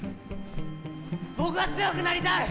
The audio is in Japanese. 僕は強くなりたい！